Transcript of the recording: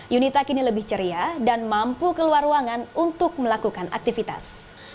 yunita kini lebih ceria dan mampu keluar ruangan untuk melakukan aktivitas